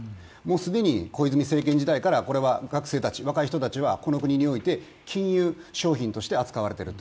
既に小泉政権時代から若い人たちはこの国において金融商品として扱われている。